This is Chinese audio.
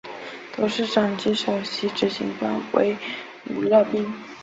董事长及首席执行官为吴乐斌。